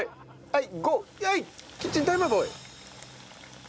はい！